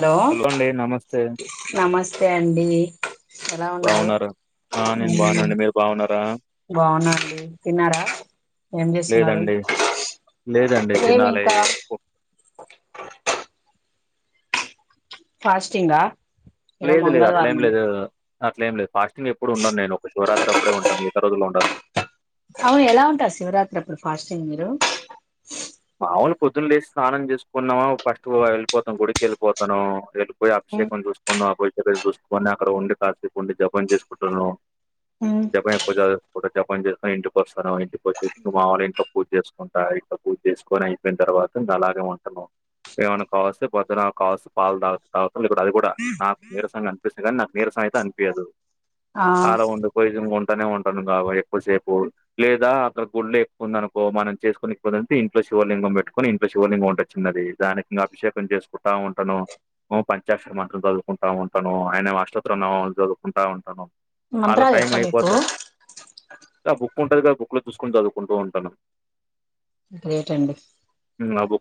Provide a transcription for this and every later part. Hello అండి నమస్తే నమస్తే అండి ఎలా ఉన్నారు బాగున్నారా ఆ నేను ఉమ్ బాగునండి మీరు బాగున్నారా బావున్న అండి తిన్నారా ఏం చేస్తున్నారు లేదండి లేదండి తినాలి మేమింకా ఫాస్టింగా ఈరోజు లేదు లేదు అట్ల ఏం మంగళవారం అండి లేదు అట్లేం లేదు ఫాస్టింగ్ ఎప్పుడు ఉండను నేను ఒక శివరాత్రి అప్పుడే ఉంటా మిగత రోజుల్లో ఉండను అవును ఎలా ఉంటారు శివరాత్రి అప్పుడు ఫాస్టింగ్ మీరు అవును పొద్దున లేేసి స్నానం చేసుకున్నామ ఫస్ట్ ఎళ్ళిపోతాం గుడికి ఎళ్ళిపోతాను ఎళ్ళిపోయి అభిషేకం చూసుకోని ఆ [unintelligible] చూసుకొని అక్కడ ఉండి కాసేపు ఉండి జపం చేసుకుంటను జపం ఎక్కువ చకు ఒక జపం చేస్త ఇంటికి వస్తను ఇంటికి వచ్చేసి మావోళ్ళ ఇంట్లో పూజ చేసుకుంటా ఇంట్ల పూ జ చేసుకొని అయిపోయిన తర్వాత ఇంకా అలాగే ఉంటను ఏమన్న కావస్తే పొద్దున కావచ్చు పాలు తా తాగుతా లేకుంటే అది కూడా నాకు నీరసంగా అనిపిస్తే కానీ నాకు నీరసం అయితే అనిపియదు ఆ ఆడ వండుకో ఈ వం అక్కడనే ఉంటను ఇంగా ఎక్కువసేపు లేదా అక్కడ గుల్లో ఎక్కువ ఉంది అనుకో మనం చేసుకొనికే ఇంట్లో శివలింగం పెట్టుకొని ఇంట్లో శివలింగం ఉంటది చిన్నది దానికి ఇంగా అభిషేకం చేసుకుంటా ఉంటాను పంచాక్షర మాత్రం చదువుకుంటా ఉంటాను ఆయనవి అష్టోత్ర నామలు చదువుకుంటా ఉంటాను అలా మంత్రాలు టైం వచ్చా మీకు అయిపోతది అంటే బుక్ ఉంటది కదా బుక్ లో చూసుకుని చదువుకుంటూ ఉంటాను గ్రేట్ అండి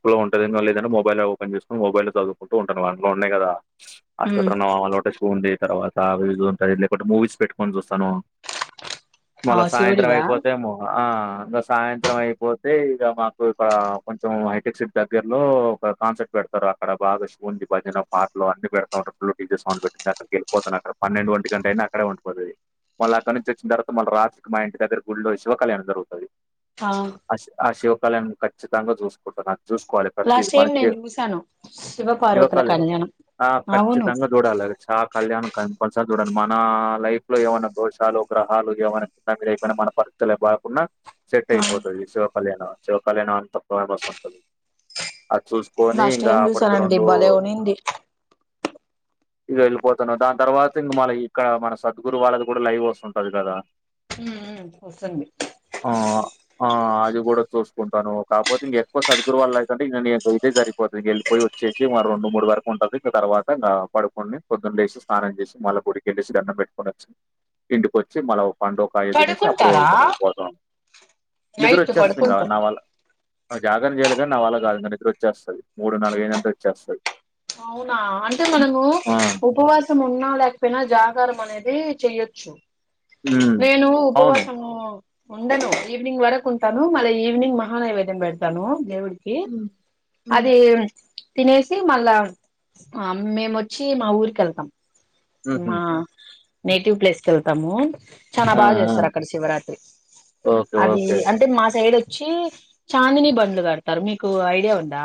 బుక్ లో ఉంటది లేదంట మొబైల్ లో ఓపన్ చేసుకొని మొబైల్ లో చదువుకుంట ఉంటాను అందులో ఉన్నాయి కదా అష్టోత్ర నామలు ఉంటాయి శివునిది తర్వాత అవి ఇవి ఉంటాయి లేకుంటే మూవీస్ పెట్టుకొని చూస్తాను ఆ మళ్ల సాయంత్రం శివుడివా అయిపోతేమో ఆ ఇంగా సాయంత్రం అయిపోతే ఇగా మాకు ఇక్కడ కొంచెం హైటెక్ సిటి దగ్గర్ లో ఒక కాన్సెర్ట్ పెడతారు అక్కడ బాగా శివునిది భజన పాటలు అన్ని పెడతా ఉంటరు ఫుల్ డీజే సౌండ్ పెట్టింటారు అక్కడకి ఎళ్ళపోతాను అక్కడ పన్నెండు వంటి గంట అయినా అక్కడే ఉండిపోతది మళ్ల అక్కడి నుంచి వచ్చిన తర్వాత మళ్ల రాత్రికి మా ఇంటి దగ్గర గుల్లో శివ కళ్యాణం జరుగుతది ఆ ఆ శివ కల్యాణం ఖచ్చితంగా చూసుకుంటా నాకు చూసుకోవాలి ప్రతిది లాస్ట్ టైం మనకే నేను చూసాను శివ పార్వతుల ఇవ్వకలే కళ్యాణం ఆ అవును ఖచ్చితంగా చూడాలి అది చా కళ్యాణం కంపల్సరీ చూడండి మన లైఫ్ లో ఏమైనా దోషాలు గ్రహాలు ఏమైనా కింద మీద అయిపోయినా మన పరిస్థితులు బాలే కాకున్న సెట్ ఆ అయిపోతది శివ కళ్యాణం శివ కళ్యాణం అంత ఫేమస్ ఉంటది అది చూసుకొని లాస్ట్ ఇంకా టైం అప్పటికి చూసానండి రెండు భలే ఉనింది ఇగా ఎళ్ళిపోతను దాని తర్వాత ఇంగా మన ఇక్కడ మన సద్గురు వాళ్ళది కూడా లైవ్ వస్తుంటది కదా హుమ్ హు వస్తుంది ఆ! ఆ! అది గూడా చూసుకుంటాను కాకపోతే ఇంగ ఎక్కువ సద్గురువు వాళ్లు అయితే అంటే ఇంగా నాకు ఇదే సరిపోతది ఇంగా ఎళ్ళిపోయి వచ్చేసి మరి రెండు మూడు వరకు ఉంటది ఇంక తర్వాత ఇంగా పడుకొని పొద్దున్న లేేసి స్నానం చేసి మళ్ళ గుడికెళ్ళేసి దండం పెట్టుకొని వచ్చి ఇంటికి వచ్చి మళ్ల ఓ పండో ఓ కాయో తినేసి అప్పుడు పడుకుంటారా వదలుతను ఉపవాసం నిద్రొ నైట్ వచ్చేస్తుంది ఇంగా పడుకుంటాం నా వల్ల జాగరం చేయాల కానీ నా వాళ్ల కాదు నిద్ర వచ్చేస్తాది మూడు నాలుగు అయిందంటే వచ్చేస్తాది, అవునా అంటే మనము ఉపవాసం ఉన్నా లేకపోయినా జాగరం అనేది చెయొచ్చు హ్మ్. నేను అవును. ఉపవాసము ఉండను ఈవినింగ్ వరకు ఉంటాను మళ్ళీ ఈవినింగ్ మహా నైవేద్యం పెడతాను దేవుడికి హ్మ్. హ్మ్. అది తినేసి మళ్ళా అ మేము వచ్చి మా ఊరికి వెళ్తాం హుహు. మా నేటివ్ ప్లేస్కి వెళ్తాము చాలా ఆ! బాగా ఆ! చేస్తారు అక్కడ శివరాత్రి ఓకే. అది ఓకే. అంటే మా సైడ్ వ వచ్చి చాందిని బండ్లు పేడతారు మీకు ఐడియా ఉందా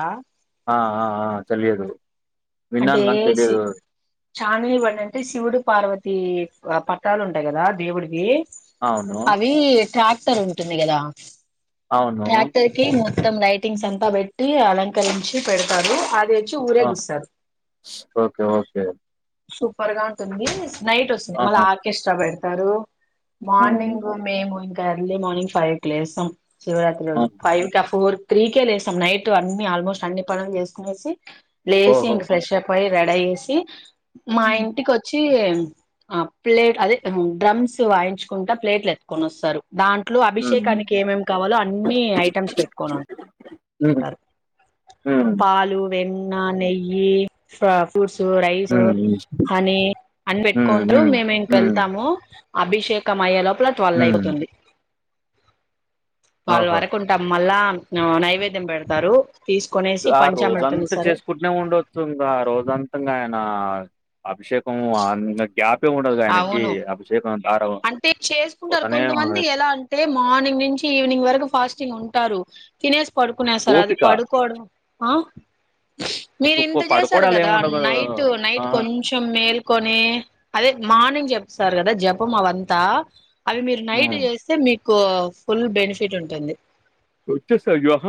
ఆ ఆ ఆ తెలియదు విన్నాను కాని తెలియదు చామిని బండి అంటే శివుడు పార్వతి పట్టాలు ఉంటాయి కదా దేవుడివి అవును. అవి ట్రాక్టర్ ఉంటుంది కదా అవును. ట్రాక్టర్ కి మొ మొత్తం లైటింగ్స్ అంతా పెట్టి అలంకరించి పెడతారు అది వచ్చి ఆ! ఊరేగిస్తారు ఓకే ఓకే సూపర్ గా ఉంటుంది నైట్ వస్తుంది మళ్ళా ఆహా! ఆర్కెస్ట్రా పెడతారు హ్మ్. హ్మ్. మార్నింగ్ మేము ఇంకా ఎర్లీ మార్నింగ్ ఫైవ్కి లేస్తాం శివరాత్రి ఆ! రోజు ఫైవ్ కా ఫోర్ త్రీకే లేస్తాం నైట్ అన్ని ఆల్మోస్ట్ అన్ని పనులు చేసుకునేసి లేసి ఓహో! ఇం పోయి రెడి అయేసి మా హ్మ్. ఇంటికి వచ్చి ఆ ప్లేట్ అదే డ్రమ్స్ వాయించుకుంటా ప్లేట్లు ఎత్కొని వస్తారు దాంట్లో హ్మ్. అభిషేకానికి ఏమేం కావాలో అన్నిీ ఐటమ్స్ పెట్టుకోనుం ఉ పాలు వెన్న నెయ్యి ఫ్రూట్స్ రైస్ హ్మ్. హనీ అని హ్మ్. పెట్టుకుంటూ హ్మ్. మేము ఇంకా హ్మ్. వెళ్తాము అభిషేకం అయ్యేలోపల ట్వల్ హ్మ్. అయిపోతుంది ట్వల్ ఆహా! వరకుంటాం మళ్ళా నైవేద్యం పెడతారు తీసుకొనేసి ఆ పంచామృతం రోజంతా ఇస్తారు చేసుకుంటేనే ఉండొచ్చు ఇంకా ఆ రోజు ఉంతంగా ఆయన అభిషేకం అ గ్యాపే ఉండదు ఆయనకి అవును అభిషేకం దారం అంటే చేసుకుంటారు పోతనే కొంతమంది ఎలా అంటే మార్నింగ్ నుంచి ఈవినింగ్ వరకు ఫాస్టింగ్ ఉంటు ఉంటారు తినేసి పడుకునే సార్ అది ఓపిక. పడుకోవడం ఆ మీరు ఇంత నువ్వు చేసారు కదా పడుకోవడాలేముండవు. నైట్ ఆ! నైట్ కొంచెం మేల్ కొని అదే మార్నింగ్ చెప్స్తారు కదా జపం అవంతా అవి మీరు నైట్ హ్మ్. చేస్తే మీకు ఫుల్ బెనిఫిట్ ఉంటుంది వచ్చే సి యోహ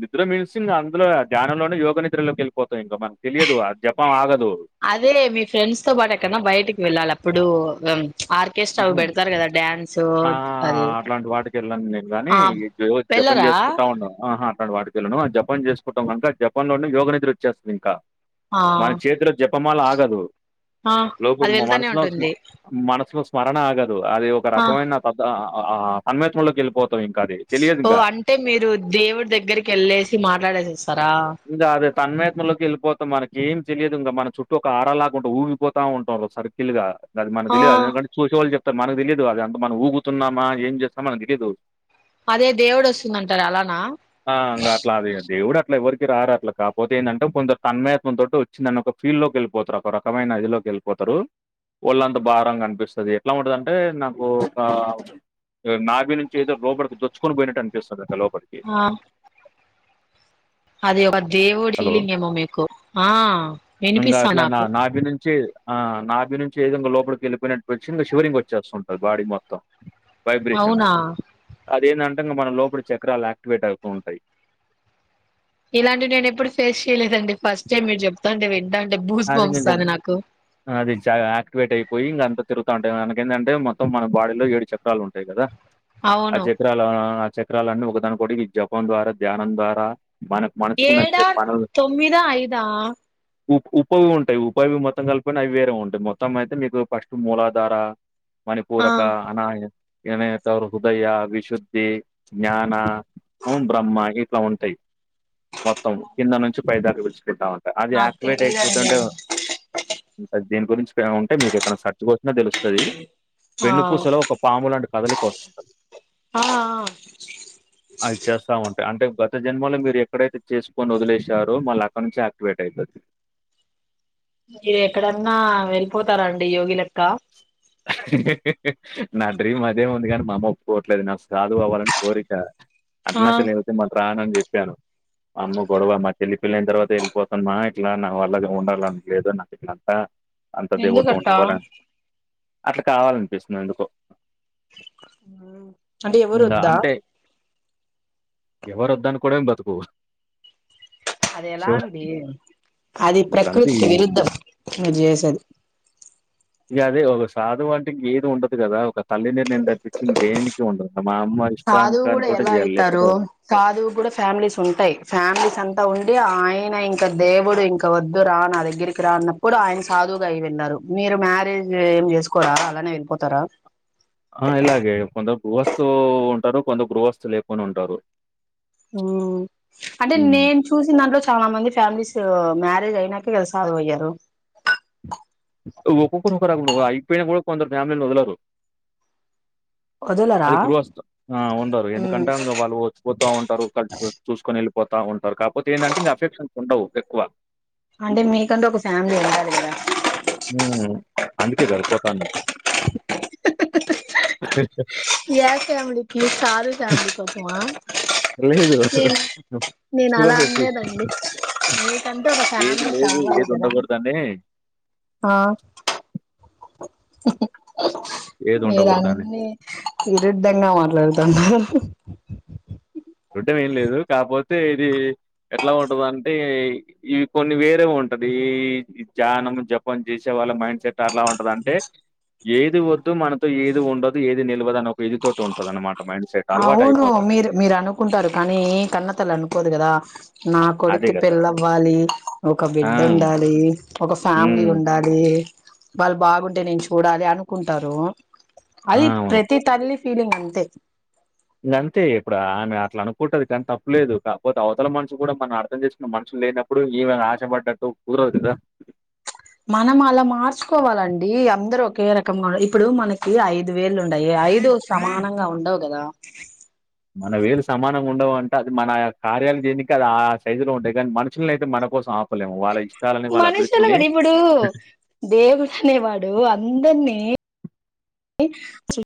నిద్ర మన్సింగ్ అందులో ధ్యానంలోనే యోగ నిద్రలోకి వెళ్ళిపోతాయి ఇంకా మనకు తెలియదు తెలియదు జపం ఆగదు అదే మీ ఫ్రెండ్స్ తో పాటు ఎక్కన్నా బయటికి వెళ్ళాలి అప్పుడు ఆర్కెస్ట్రా హుహు. పెడతారు కదా డ్యాన్సు ఆ! అది అట్లాంటి వాటికెళ్ళను నేను గానీ, ఆ జో జపం వెళ్ళరా చేసుకుంటా ఉన్నాం ఆహ అలాంటి వాటికి వెళ్ళం ఆ జపం చేసుకుంటాం కనుక జపం లోనే యోగ నిద్రి వచ్చేస్తుంది ఇంకా ఆ మన చేతిలో జపమాలా ఆగదు ఆ లో అది వెళ్తానే మనసులో స్మా ఉంటుంది మనసులో స్మరణ ఆగదు అది ఒక ఆ రకమైన అ సన్మెత్రలోకి వెళ్ళిపోతుంది ఓ అంటే మీరు దేవుడి దగ్గరికి వెళ్ళేసి మాట్లాడేసేస్తారు ఇంకా అదే తన్మేతంలోకి వెళ్ళిపోతాం మనకి తెలియదు ఇంకా మన చుట్టూ ఒక ఆరాలాకు ఊగిపోతా ఉంటాం సర్కిల్ గా అది మన ఆ తెలియదు చూసే వాళ్లు చెప్ అ మనకు తెలియదు అది అంత మనం ఊగుతున్నామా ఏం చేస్తామా మనకు తెలీయదు అదే దేవుడు వస్తుందంటారు అలానా రార అట్ల కాపోతే ఏందంటే కొందరు తన్మయత్మం తో వచ్చిందని ఒక ఫీల్ లోకి ఎళ్ళిపోతారు ఒక రకమైన ఇది లోకిఎళ్ళిపోతారు రు ఒళ్ళంత భారంగా అనిపిస్తుంది ఎట్లా ఉంటదంటె నాకు ఒక నాభి నుంచి ఏదో రోబడ్కి చొచ్చుకొని పోయినట్టనిపిస్తుదట లో ఆ అది ఒక దేవుడి హలో ఫీలింగ్ ఏమో మీకు ఆ ఇంగ వినిపిస్తా అట్లా నా నాకు నాభి నుంచి ఆ నాభి నుంచి ఏదంగా లోపలికి వెళ్ళిపోయినట్టు వచ్చి ఇంగ షివరింగ్ వచ్చేస్తుంటది బాడీ మొత్తం వైబ్రేషన్ అవునా అదేందం అంగా మన లోపలి చక్రాలు యాక్టివేట్ అవుతూ ఉంటాయి ఇలాంటివి నేను ఎప్పుడు ఫేస్ చెయలేదండి ఫస్ట్ టైమ్ మీరు చెప్తాంట వింటం అది కొంచం అది చ ఆక్టివేట్ అయిపోయి ఇంగ అంత తరుతా ఉంటది మనకి ఏందంటే మొత్తం మన బాడీలో ఏడు చక్రాలు ఉంటాయి కదా ఆ అవును చక్రాలూ ఆ చక్రా లన్నీ ఒకొ దానికోకటి ఈ జపం ద్వారా ధ్యానం ద్వారా మనకు ఏడా మనసుకున్నచ్చె పనులు తొమ్మిదా ఐదా ఉ ఉపవి ఉంటాయి ఉపవి మొత్తం కలుపుకుంటే అవి వేరే ఉంటయి మొత్తం అయితే మీకు ఫస్ట్ మూలాధార ఆ మణిపూరక అనాహ వినయత హృదయ విశుద్ధి జ్ఞాన బ్రహ్మ ఇట్లా ఉంటయి మొత్తం కింద నుంచి పై దాగ విడిచి పెట్టామ అది నాకు యాక్టివేట్ తెలీదండి అయిపోతుంటే దీని గురించి ఉంటే మీకు ఎక్కడ స ర్చ్ కొట్టిన తెలుస్తుంది ఆ వెన్ను పూసలో ఒక పాము లాంటి కదలికి వస్తది ఆ ఆ అవి చేస్తా ఉంటె అంటే గత్ త జన్మలో మీరు ఎక్కడైతే చేసుకొని వదిలేసారో మళ్ళీ అక్కడ నుంచి యాక్టివేట్ అయితాది మీరు ఎక్కడన్నా వెళ్ళిపోతారండి యోగిలక్ నా డ్రీమ్ అదేఉంది కానీ మాఅమ్మ ఒప్పుకోవట్లేదు నాకు సాధువు అవ్వాలని కోరిక ఆ అరుణాచలం ఎళ్తె మళ రానని చెప్పాను అమ్మ గొడవ మాచెల్లి పెళ్ళైన తర్వాత ఎళ్ళిపోతనమా ఇట్లా నా వాల్లగా ఉండాలని లేదు నాకు ఇట్లంతా అంత దేవుడితో ఎందుకట్ట ఉండిపోవాలని అట్ల కావాలనిపిస్తుంది ఎందుకో అంటే ఎవరు వద్దా ఎవరొద్దనుకోవడమె బతుకు అది ఎలా శివ అండి అది ఇప్పుడు అంతే ప్రకృతికి ఈ విరుద్ధం మీరు చేసేది ఇక అదే ఒక సాధువు అంటె ఇంక ఏది ఉండదు కదా ఒక తల్లి నిర్ణయం తప్పిచ్చి ఇంక దేనికి ఉండదు మా అమ్మ సాధువు ఇష్టాంకాన్ని కూడా తోటే ఎలా చేయాలి అయితారు లేకపోతే సాధువు గ్గూడా ఫ్యామిలీస్ ఉంటాయి ఫ్యామిలీస్ అంత అంత ఉండి ఆయన ఇంక దేవుడు ఇంక వద్దు రా నా దగ్గరికి రా అన్నప్పుడు ఆయన సాధువు గా అయి వెళ్ళారు మీరు మ్యారేజ్ ఏమి చేసుకోరా అలానే వెళ్ళిపోతారా ంటారు కొందరు గృహస్తులు లేకుండ ఉంటారు మ్ అంటే హ్మ్. నేను చూసిన దాంట్లో చాలా మంది ఫ్యామిలీస్ మ్యారేజ్ అయినాకే కదా సాధువు అయ్యారు ఒకొక్కరు ఒకోర ఉండరు అయిపోయి నా కూడా కొందరు ఫ్యామిలీలు వదలరు వదలరా అది గ్రుహస్త ఆ ఉండరు ఉమ్ ఎందుకంటే వాళ్ళు వచ్చిపోతా ఉంటారు కసి చూసుకొని వెళ్ళి ఆ ఉంటారు కాపోతే ఏంటంటే ఇంకా అఫెక్షన్స్ ఉండవు ఎక్కువ అంటే మీకంటూ ఒక ఫ్యామిలీ ఉండాలి కదా మ్ అందుకే గద పోతాండది అ ఏఫ్యామిలి కి సాధువు ఫ్యామిలీ కోసమా లేదు. నేను నేను అలా శివభక్తి అనలేదండి మీకంటే ఒక ఏది ఫ్యామిలీ లేదు, కావాలి ఏది కదా ఉండకూడదని, ఆ ఏది మీరు ఉండకూడదని. అన్ని విరుధంగా మాట్లాడుతున్నారు అడ్డం ఏం లేదు కాకపోతే ఇది ఎట్లా ఉంటదా అంటే ఇవి కొన్ని వేరే ఉంట ఉంటది జానం జపం చేసే వాళ్ళ మైండ్ సెట్ ఎట్లా ఉంటదంటే ఏది వద్దు మనతో ఏది ఉండదు ఏది నిలవదు అని ఒక ఇది తోటి ఉంటది అన్నమాట ఆ అవును మీరు మీరు అనుకుంటారు కానీ కన్న తల్లి అనుకోదు కదా నా అదే కొడుక్కి గదా! పెళ్లి అవ్వలి ఒక ఆ! బిడ్డ ఉండాలి ఒక ఫ్యామిలీ హ్మ్. ఉండాలి వాళ్ళు బాగుంటే నేను చూడాలి అనుకుంటారు ఆ! అది అవును. ప్రతి తల్లి ఫీలింగ్ అంతే ఇక అంతే ఇప్పుడు ఆమెన అట్లా అనుకుంటది కానీ తప్పులేదు కాకపోతే అవతల మనుషు కూడా మనం అర్థం చేసుకున్న మనుషు లేనప్పుడు ఈమె ఆశ పడ్డట్టు కూరవుతుందా మనం అలా మార్చుకోవాలండి అందరూ ఒకే రకంగా ఇప్పుడు మనకి ఐదు వేళ్ళు ఉండాయి ఐదు సమానంగా ఉండవు కదా మన వేలు సమానంగా ఉండవు అంటే అది మన కార్యాల చేనికి అది ఆ సైజు లో ఉంటాయి కానీ మనుషులని అయితే మన కోసం ఆపలేము వాళ్ళ ఇష్ట మనుషుల కూడా ఇప్పుడు దేవుడు అనేవాడు అంద ర్ని చేయి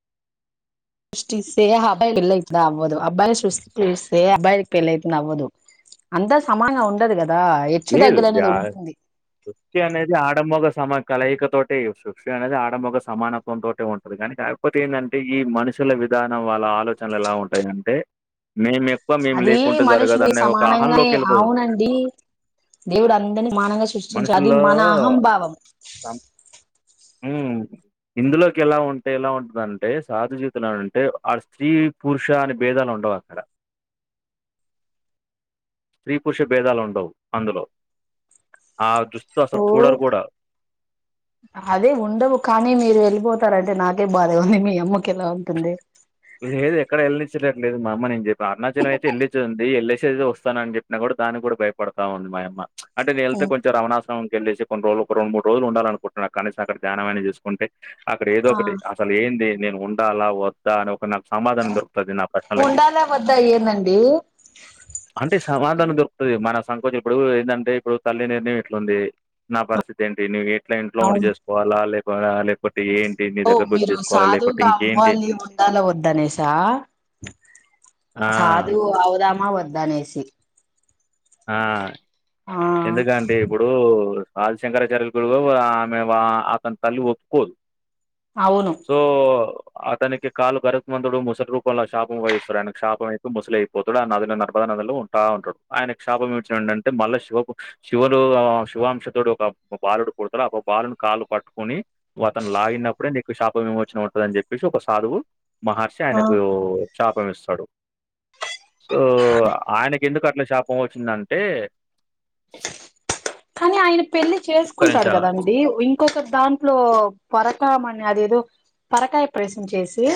సృష్టిస్తే అబ్బాయి పెళ్ళి అయితదా అవ్వదు అబ్బాయిని సృష్టిస్తే అబ్బాయి పెళ్ళి అయితుందా అవ్వదు అంతా సమానం ఉండదు కదా హెచ్చు లేదు తగ్గులు అనేది జా ఉంటుంది వృతి అనేది ఆడ మగ సమ కలయిక తోటే సృష్టి అనేది ఆడ మగ సమానత్వం తోటే ఉంటుది కాని కాకపోతే ఏంటంటే ఈ మనిషి ల విధానం వాళ్ళ ఆలోచనలు ఎలా ఉంటాయంటే మేము ఒక్క అది మనుషులు సమానంగానే అహంలోకెళ్ళిపోతరు. అవునండి దేవుడు అందరినీ సమానంగా సృష్టించారు అది మనుషుల్లో మన అహంభావం హమ్ ఇందులోకి ఎలా ఉంటే ఎలా ఉంటదంటే సాధు జీవితంలో అంటే ఆడ స్త్రీ పురుష అని భేద లు ఉండవు అక్కడ స్త్రీ పురుష భేదాలు ఉండవు అందులో ఆ దృష్టితో అసలు ఓ చూడరు కూడా అదే ఉండవు కానీ మీరు వెళ్ళిపోతారంటే నాకే బాధగా ఉంది మీ అమ్మకి ఎలా ఉంటుంది లేదు ఎక్కడ వెళ్ళ నిచ్చేట్లేదు మా అమ్మ నేను చెప్ప అరుణాచలం అయితే వెళ్లి వచ్చేదుంది వెళ్ళే సి వస్తాను అని చెప్పినా కూడా దానికి కూడా భయపడాత ఉంది మా అమ్మ అంటే నేను వెళ్తే కొంచెం రమణా సురంకి వెళ్ళేసి కొన్ని రోజులు ఒక రెండు మూడు రోజులు ఉండాలనుకుంటున్నా కనీసం అక్కడ ధ్యానం మైన చేసుకుంటే అడ ఏదో ఆ ఒకటి అసలు ఏంటింది నేను ఉండలా వద్దా అని ఒక నాకు సమాధానం దొరుకుతది నా ప్రశ్నలకి ఉండాలా వద్దా ఏందండి అంటే సమాధానం దొరుకుతది మన సంకోంచం ఇప్పుడు ఏంటంటే ఇప్పుడు తల్లి నిర్ణయం ఇట్లాంది నా పరిస్థితి ఏంటి నువి ఇట్లా ఇంట్లో వుండి చేసుకోవాలా లే లేకపోతే ఏంటి నీ ఓ దగ్గర కొచ్చి చేసుకోవాలా లేకపోతే ఇంకేంటి చేరలా వద్దా అనేస ఆ! అ సాద్దువు అవు దామా వద్దు అనేసి ఆ ఆ ఎందుకండి ఇప్పుడు ఆది శంకరాచార్యలు గురువు ఆమె అతని తల్లి ఒప్పుకోదు అవును సో అతనికి కాలు భరత్మతుడు ముసలి రూపంలో శాపం వహిస్తాడు ఆయన శాపం అయి ముసలి అయిపోతాడు అ అది నర్ లో ఉంటా ఉంటాడు ఆయన శాపం ఇచ్చిన అంటే మళ్ళా శివ శివులు శివాంశతోడు ఒక బాలుడు పుడతారు ఒక బాలును కాళ్లు పట్టుకుని అతను లాగినప్పుడే నీకు శాప విమోచనా ఉంటాదని చెప్పేసి ఒక సాధువు మహర్షా ఆ ఆయనకు శాపం ఇస్తాడు సో ఆయనకి ఎందుకు అట్ల శా [unintelligible] వచ్చిందంటే కాని ఆయన పెళ్లి ఒక్క చేసుకుంటాడు నిమిషం ఆగు. కదండి ఇంకొక దాంట్లో పరకమని అదేదో పరకాయ ప్రవేశం చేసి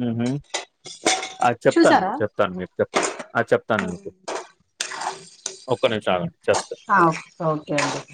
హు హు ఆ చేప్తాను చూసారా చేప్తాను మీకు ఆ చేప్తాను మీకు ఒక్క నిమిషం ఆగండి చేస్త ఓకే అండి